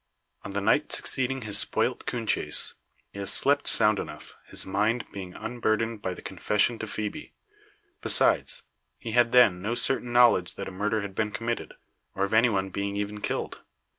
On the night succeeding his spoilt coon chase, he has slept sound enough, his mind being unburdened by the confession to Phoebe. Besides, he had then no certain knowledge that a murder had been committed, or of any one being even killed.